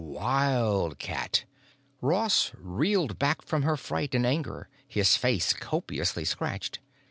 Wildcat! Ross reeled back from her fright and anger, his face copiously scratched.